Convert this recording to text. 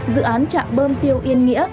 dự án trạm bơm tiêu yên nghĩa